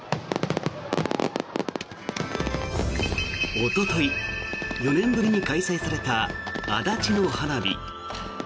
おととい４年ぶりに開催された足立の花火。